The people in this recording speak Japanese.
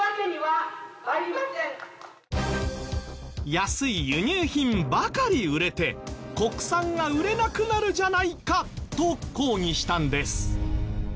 安い輸入品ばかり売れて国産が売れなくなるじゃないかと抗議したんです。